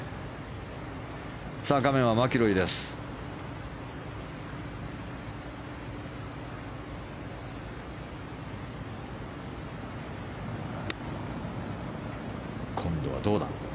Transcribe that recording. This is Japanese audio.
画面はマキロイです。今度はどうだ。